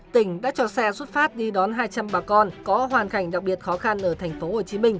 tỉnh đã cho xe xuất phát đi đón hai trăm linh bà con có hoàn cảnh đặc biệt khó khăn ở tp hcm